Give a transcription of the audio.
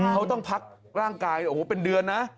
เขาต้องพักร่างกายโอ้โหเป็นเดือนนะ